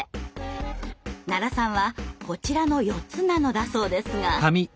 奈良さんはこちらの４つなのだそうですが。